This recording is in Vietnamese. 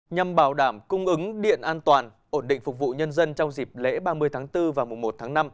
nhằm bảo đảm cung ứng điện an toàn ổn định phục vụ nhân dân trong dịp lễ ba mươi tháng bốn và mùa một tháng năm